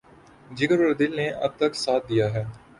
جگر اور دل نے اب تک ساتھ دیا ہے۔